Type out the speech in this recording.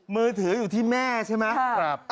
มือถืออยู่ที่แม่ใช่ไหม